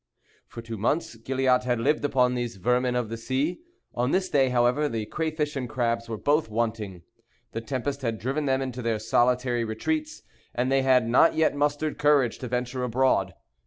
For two months Gilliatt had lived upon these vermin of the sea. On this day, however, the crayfish and crabs were both wanting. The tempest had driven them into their solitary retreats; and they had not yet mustered courage to venture abroad.